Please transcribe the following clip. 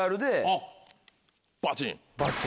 バチン？